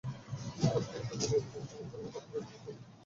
সারা পৃথিবীর বাঙালির মতো আমরাও দাঁতে দাঁত চেপে শক্ত হয়ে বসে থাকি।